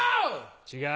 違う。